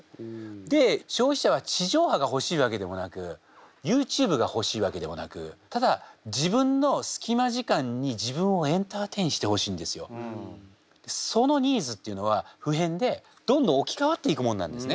で消費者は地上波がほしいわけでもなくＹｏｕＴｕｂｅがほしいわけでもなくただ自分の隙間時間に自分をエンターテインしてほしいんですよ。そのニーズっていうのは不変でどんどん置き換わっていくもんなんですね。